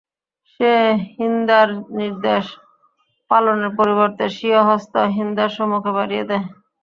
সে হিন্দার নির্দেশ পালনের পরিবর্তে স্বীয় হস্ত হিন্দার সম্মুখে বাড়িয়ে দেয়।